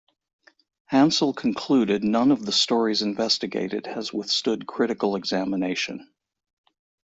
Hansel concluded none of the stories investigated has withstood critical examination.